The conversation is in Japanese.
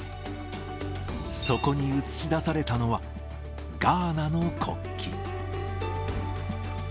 そこに映し出されたのは、ガーナの国旗。